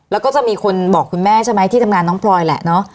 แล้วก็จะมีคนบอกคุณแม่ใช่ไหมที่ทำงานน้องพลอยแหละเนอะ